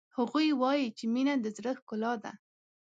هغوی وایي چې مینه د زړه ښکلا ده